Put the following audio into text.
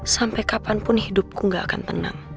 sampai kapanpun hidupku gak akan tenang